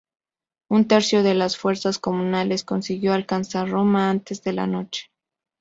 Un tercio de las fuerzas comunales consiguió alcanzar Roma antes de la noche.